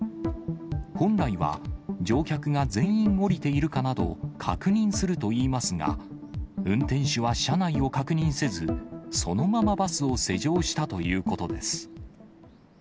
本来は乗客が全員降りているかなど、確認するといいますが、運転手は車内を確認せず、そのままバスを施錠したということです。